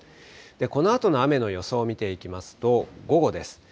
このあとの雨の予想を見ていきますと、午後です。